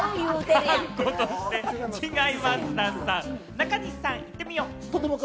中西さん、行ってみよう。